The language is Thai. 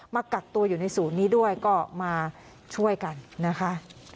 กักตัวอยู่ในศูนย์นี้ด้วยก็มาช่วยกันนะคะ